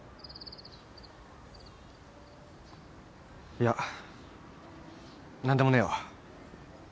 いや何でもねえわ。